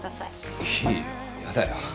いいよ。